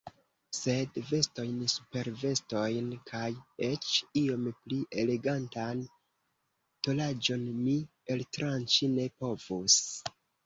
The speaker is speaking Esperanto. Sed vestojn, supervestojn kaj eĉ iom pli elegantan tolaĵon mi altranĉi ne povus.